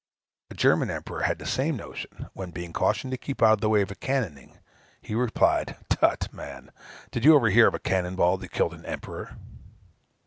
A German emperor had the same notion, when, being cautioned to keep out of the way of a cannonading, he replied, "Tut! man. Did you ever hear of a cannon ball that killed an emperor?"